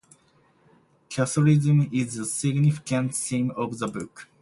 Catholicism is a significant theme of the book.